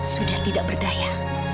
sudah tidak berdaya